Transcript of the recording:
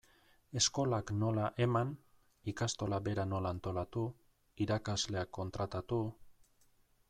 Eskolak nola eman, ikastola bera nola antolatu, irakasleak kontratatu...